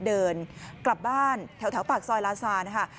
เดินกลับบ้านแถวปากซอยลาซานะคะ